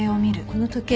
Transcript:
この時計